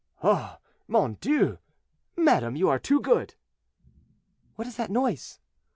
"Oh! mon Dieu! madame, you are too good!" "What is that noise?"